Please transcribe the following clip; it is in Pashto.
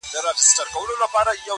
کروندې يې د کهاله څنگ ته لرلې!